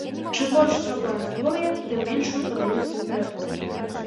Чым больш цёплае надвор'е, тым меншую падаюць тэмпературу.